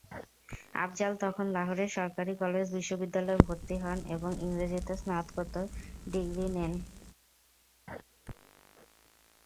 আফজাল তখন লাহোরের সরকারি কলেজ বিশ্ববিদ্যালয়ে ভর্তি হন এবং ইংরেজিতে স্নাতকোত্তর ডিগ্রি নেন।